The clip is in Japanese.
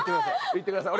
行ってください。